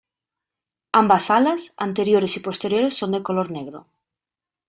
Ambas alas, anteriores y posteriores, son de color negro.